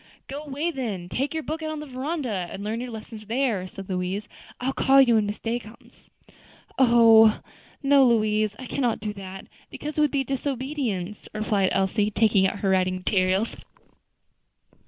"Go away then; take your book out on the veranda, and learn your lessons there," said Louise. "I'll call you when Miss Day comes." "Oh! no, Louise, I cannot do that, because it would be disobedience," replied Elsie, taking out her writing materials.